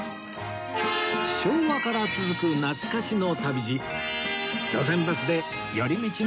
昭和から続く懐かしの旅路